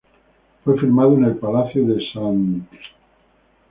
Fue firmado en el Palacio de St.